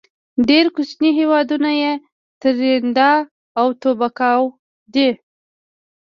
ډیر کوچینی هیوادونه یې تريندا او توباګو دی.